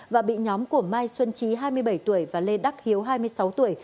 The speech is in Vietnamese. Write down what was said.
và bị nhóm của mai xuân trí hai mươi bảy tuổi và lê đắc hiếu hai mươi sáu tuổi